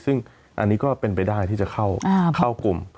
ซึ่งอันนี้ก็เป็นไปได้ที่จะเข้ากลุ่ม